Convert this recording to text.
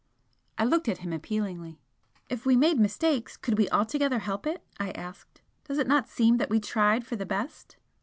I looked at him appealingly. "If we made mistakes, could we altogether help it?" I asked "Does it not seem that we tried for the best?"